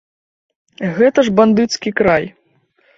Гэта ж бандыцкі край!